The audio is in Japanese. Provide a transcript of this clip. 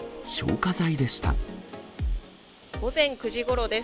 午前９時ごろです。